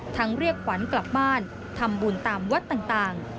เรียกขวัญกลับบ้านทำบุญตามวัดต่าง